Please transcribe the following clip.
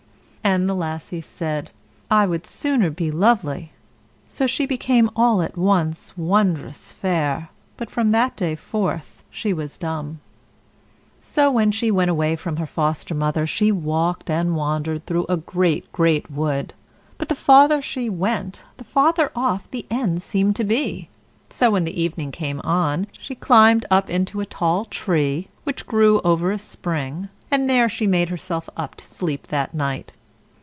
And the Lassie said, "I would sooner be lovely." So she became all at once wondrous fair; but from that day forth she was dumb. So, when she went away from her Foster mother, she walked and wandered through a great, great wood; but the farther she went, the farther off the end seemed to be. So, when the evening came on, she clomb up into a tall tree, which grew over a spring, and there she made herself up to sleep that night.